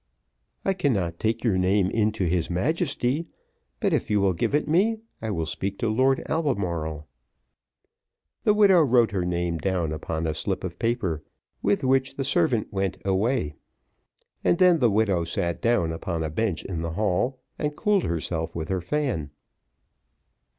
"I cannot take your name into his Majesty, but if you will give it me, I will speak to Lord Albemarle." The widow wrote her name down upon a slip of paper; with which the servant went away, and then the widow sat down upon a bench in the hall, and cooled herself with her fan.